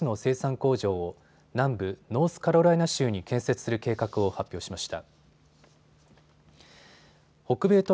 工場を南部ノースカロライナ州に建設する計画を発表しました。